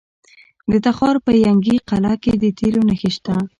د تخار په ینګي قلعه کې د تیلو نښې شته.